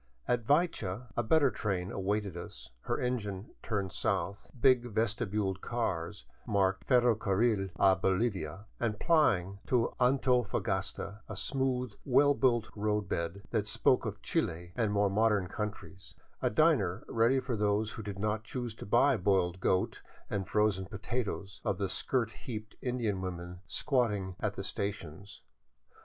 At Viacha a better train awaited us, her engine turned south, — big vestibuled cars, marked " Ferrocarril a Bolivia " and plying to Antofagasta, a smooth, well built road bed that spoke of Chile and more modern countries, a diner ready for those who did not choose to buy boiled goat and frozen potatoes of the skirt heaped Indian women squatting at the stations.